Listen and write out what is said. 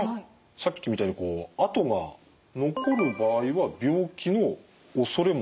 さっきみたいにこう痕が残る場合は病気のおそれもあるってことですか？